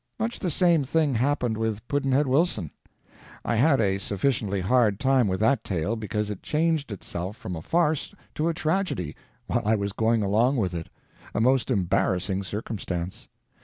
Much the same thing happened with "Pudd'nhead Wilson." I had a sufficiently hard time with that tale, because it changed itself from a farce to a tragedy while I was going along with it a most embarrassing circumstance.